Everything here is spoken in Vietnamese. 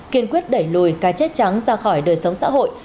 kiên quyết đẩy lùi cái chết trắng ra khỏi đời sống xã hội